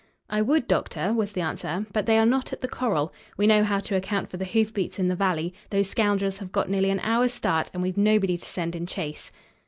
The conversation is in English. "I would, doctor," was the answer, "but they are not at the corral. We know how to account for the hoofbeats in the valley. Those scoundrels have got nearly an hour's start, and we've nobody to send in chase."